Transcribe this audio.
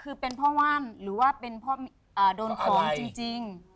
คือเป็นเพราะว่านหรือว่าเป็นเพราะโดนผลจริง